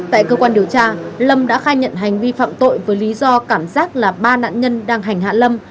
tại cơ quan điều tra lâm đã khai nhận hành vi phạm tội với lý do cảm giác là ba nạn nhân đang hành hạ lâm